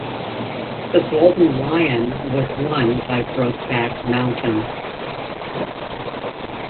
The Golden Lion was won by Brokeback Mountain.